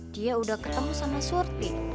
dia udah ketemu sama surti